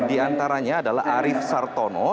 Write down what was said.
di antaranya adalah arief sartono